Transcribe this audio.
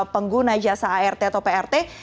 pengguna jasa art atau prt